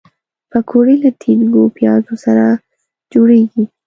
پکورې له ټینګو پیازو سره جوړیږي